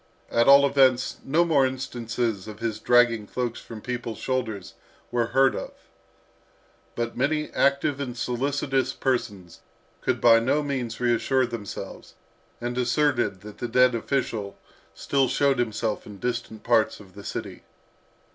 At all events, no more instances of his dragging cloaks from people's shoulders were heard of. But many active and solicitous persons could by no means reassure themselves, and asserted that the dead official still showed himself in distant parts of the city.